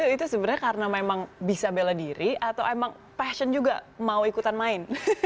itu sebenarnya karena memang bisa bela diri atau emang passion juga mau ikutan main